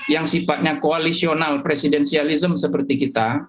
yang sifatnya koalisional presidensialism seperti kita